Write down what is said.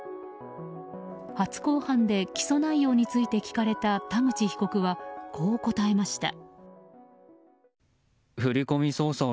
初公判で、起訴内容について聞かれた田口被告はこう答えました。